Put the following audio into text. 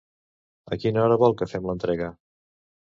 A quina hora vol que fem l'entrega?